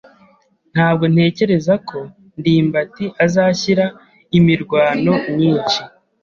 Ntabwo ntekereza ko ndimbati azashyira imirwano myinshi.